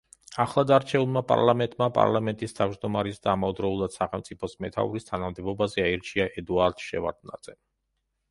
ახლადარჩეულმა პარლამენტმა პარლამენტის თავმჯდომარის და ამავდროულად, სახელმწიფოს მეთაურის თანამდებობაზე აირჩია ედუარდ შევარდნაძე.